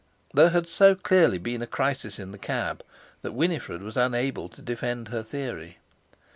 There had so clearly been a crisis in the cab that Winifred was unable to defend her theory.